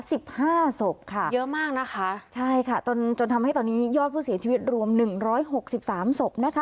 สิบห้าศพค่ะเยอะมากนะคะใช่ค่ะจนจนทำให้ตอนนี้ยอดผู้เสียชีวิตรวมหนึ่งร้อยหกสิบสามศพนะคะ